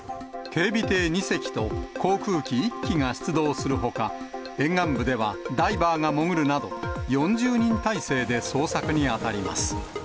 警備艇２隻と航空機１機が出動するほか、沿岸部ではダイバーが潜るなど、４０人態勢で捜索に当たります。